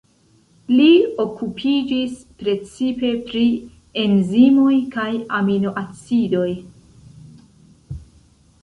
Li okupiĝis precipe pri enzimoj kaj Aminoacidoj.